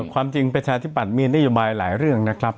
ความจริงประชาธิบัตย์มีนโยบายหลายเรื่องนะครับ